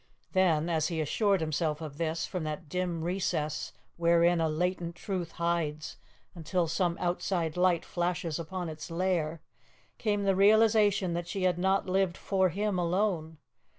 Then, as he assured himself of this, from that dim recess wherein a latent truth hides until some outside light flashes upon its lair, came the realization that she had not lived for him alone.